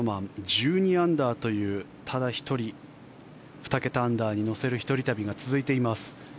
１２アンダーというただ１人２桁アンダーに乗せる一人旅が続いています。